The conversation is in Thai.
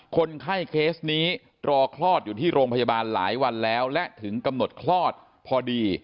คนไข้เคสนี้รอคลอดอยู่ที่โรงพยาบาลหลายวันแล้วและถึงกำหนดคลอดพอดี